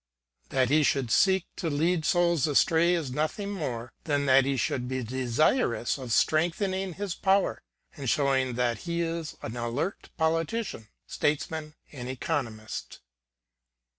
That he should seek to lead souls astray is nothing more than that he should be desirous of strengthening his power, and showing that he is an alert politician, statesman, and economist.